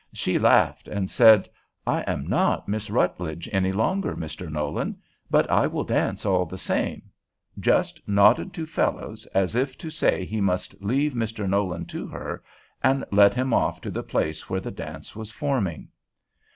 She laughed and said, "I am not Miss Rutledge any longer, Mr. Nolan; but I will dance all the same," just nodded to Fellows, as if to say he must leave Mr. Nolan to her, and led him off to the place where the dance was forming.